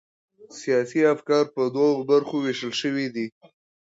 سیاسي افکار پر دوو برخو وېشل سوي دي.